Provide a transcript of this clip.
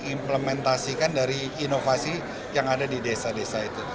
implementasikan dari inovasi yang ada di desa desa itu